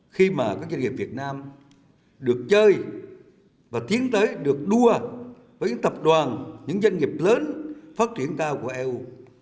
khi mà các doanh nghiệp việt nam được chơi và tiến tới được đua với những tập đoàn những doanh nghiệp lớn phát triển cao của eu